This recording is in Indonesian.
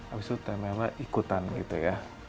abis itu teh mela ikutan gitu ya